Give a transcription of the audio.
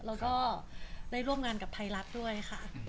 แล้วก็ได้ร่วมงานกับไทยรัฐด้วยค่ะ